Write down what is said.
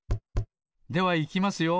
ではいきますよ。